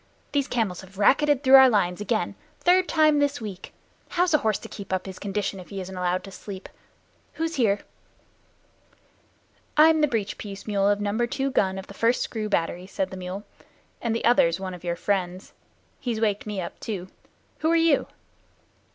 "Those camels have racketed through our lines again the third time this week. How's a horse to keep his condition if he isn't allowed to sleep. Who's here?" "I'm the breech piece mule of number two gun of the First Screw Battery," said the mule, "and the other's one of your friends. He's waked me up too. Who are you?"